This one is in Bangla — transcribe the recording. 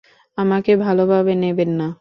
আমাকে ভালোভাবে নেবেন না।